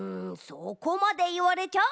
そこまでいわれちゃあ